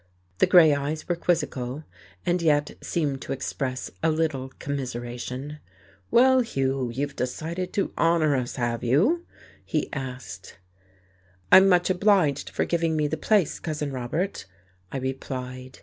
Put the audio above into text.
The grey eyes were quizzical, and yet seemed to express a little commiseration. "Well, Hugh, you've decided to honour us, have you?" he asked. "I'm much obliged for giving me the place, Cousin Robert," I replied.